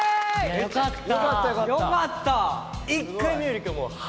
よかった！